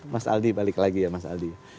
mas aldi balik lagi ya mas aldi